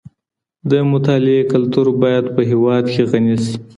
د مطالعې کلتور باید په هېواد کي غني سي.